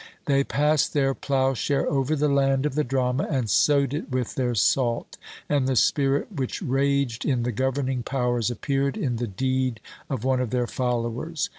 They passed their ploughshare over the land of the drama, and sowed it with their salt; and the spirit which raged in the governing powers appeared in the deed of one of their followers.